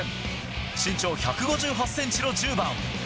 身長１５８センチの１０番。